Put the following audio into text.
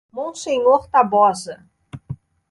Monsenhor Tabosa